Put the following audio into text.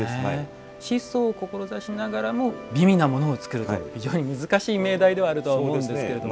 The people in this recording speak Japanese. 質素を志しながらも美味なものを作ると非常に難しい命題ではあると思うんですけども。